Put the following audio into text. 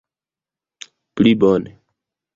plibone